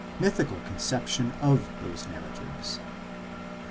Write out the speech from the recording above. MYTHICAL CON CEPTION OF THOSE NARRATIVES.